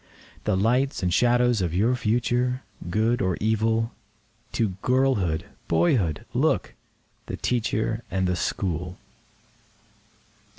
The lights and shadows of your future—good or evil? To girlhood, boyhood look—the Teacher and the School.